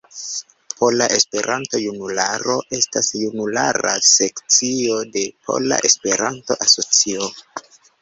Pola Esperanto-Junularo estas junulara sekcio de Pola Esperanto-Asocio.